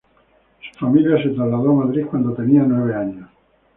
Su familia se trasladó a Madrid cuando tenía nueve años.